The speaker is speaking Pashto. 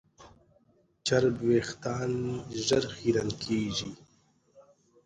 چرب وېښتيان ژر خیرن کېږي.